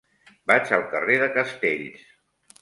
Vaig al carrer de Castells.